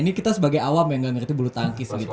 ini kita sebagai awam yang gak ngerti bulu tangkis gitu